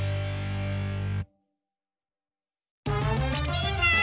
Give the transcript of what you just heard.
みんな！